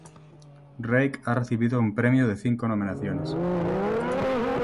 Reik ha recibido un premio de cinco nominaciones.